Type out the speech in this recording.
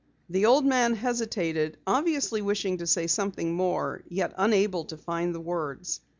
The old man hesitated, obviously wishing to say something more, yet unable to find the words.